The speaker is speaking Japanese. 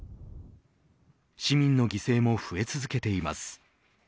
市民の犠牲も増え続けています。